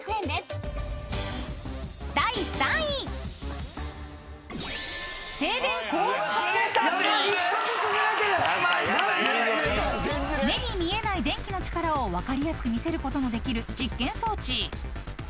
［第３位］［目に見えない電気の力を分かりやすく見せることのできる実験装置］